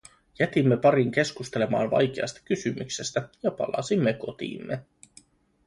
Jätimme parin keskustelemaan vaikeasta kysymyksestä, ja palasimme kotiimme.